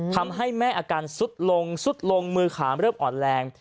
ทำให้แม่อาการสุดลงซุดลงมือขาเริ่มอ่อนแรง